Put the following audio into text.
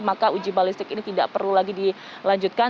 maka uji balistik ini tidak perlu lagi dilanjutkan